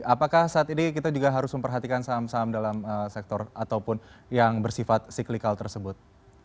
apakah saat ini kita juga harus memperhatikan saham saham dalam sektor ataupun yang bersifat cyclical tersebut